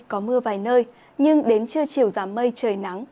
có mưa vài nơi nhưng đến trưa chiều giảm mây trời nắng